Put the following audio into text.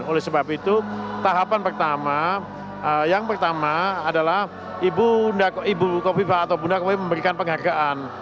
oleh sebab itu tahapan pertama yang pertama adalah ibu kofifah atau bunda kofifa memberikan penghargaan